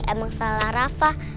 emang salah rafa